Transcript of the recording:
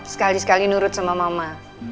sekali sekali nurut sama mama